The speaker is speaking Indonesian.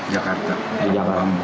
jakarta di kabung ambo